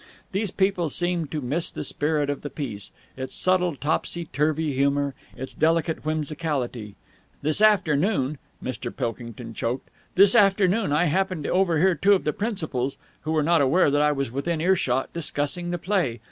These people seem to miss the spirit of the piece, its subtle topsy turvy humour, its delicate whimsicality. This afternoon," Mr. Pilkington choked. "This afternoon I happened to overhear two of the principals, who were not aware that I was within earshot, discussing the play.